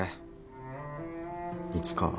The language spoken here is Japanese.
いつかは。